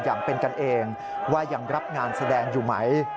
อย่างเป็นกันเองว่ายังรับงานแสดงอยู่ไหม